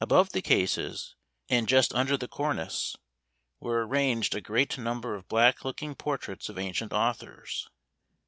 Above the cases, and just under the cornice, were arranged a great number of black looking portraits of ancient authors.